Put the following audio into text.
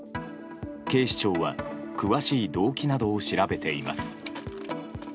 警視庁は詳しい動機などを調べています。